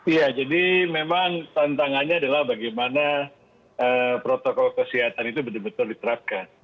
iya jadi memang tantangannya adalah bagaimana protokol kesehatan itu betul betul diterapkan